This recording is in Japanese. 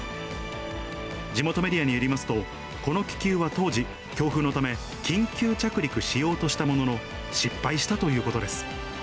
地元メディアによりますと、この気球は当時、強風のため、緊急着陸しようとしたものの、失敗したということです。